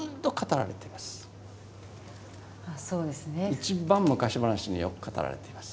一番昔話によく語られています。